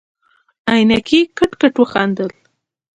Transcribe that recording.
عينکي کټ کټ وخندل.